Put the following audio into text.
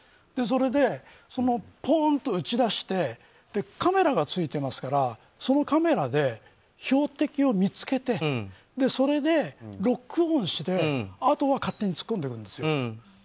それで、ぽんと撃ち出してカメラがついていますからそのカメラで標的を見つけてそれでロックオンしてあとは勝手に突っ込んでいくんですよ。